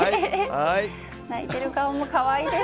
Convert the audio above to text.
泣いてる顔もかわいいです。